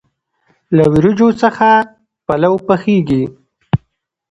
له وریجو څخه پلو پخیږي.